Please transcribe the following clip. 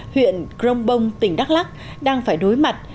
huyện crongbong tỉnh đắk lắc đang phải đối mặt